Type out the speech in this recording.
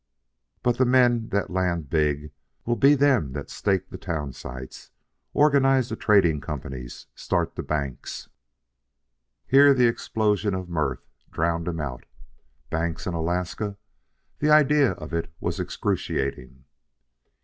"But the men that land big will be them that stake the town sites, organize the tradin' companies, start the banks " Here the explosion of mirth drowned him out. Banks in Alaska! The idea of it was excruciating.